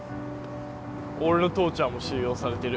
俺の父ちゃんも収容されてる。